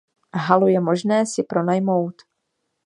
Halu je možné si pronajmout.